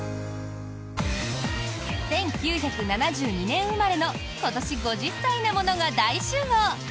１９７２年生まれの今年５０歳なものが大集合！